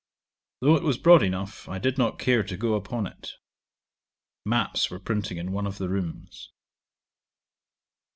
Though it was broad enough, I did not care to go upon it. Maps were printing in one of the rooms.